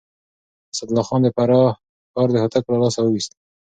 اسدالله خان د فراه ښار د هوتکو له لاسه وويست.